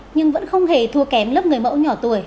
nhưng vẫn không hề thua kém lớp người mẫu nhỏ tuổi